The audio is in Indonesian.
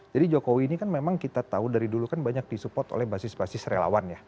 jadi jokowi ini kan memang kita tahu dari dulu kan banyak di support oleh basis basis relawan ya